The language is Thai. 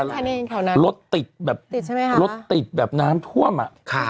สุดท้ายนั่งบ้านไฟมาทันครับ